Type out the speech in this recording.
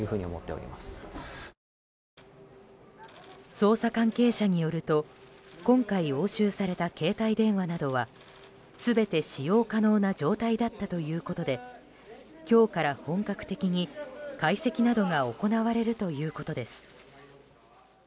捜査関係者によると今回押収された携帯電話などは全て使用可能な状態だったということで今日から本格的に解析などが行われるということです。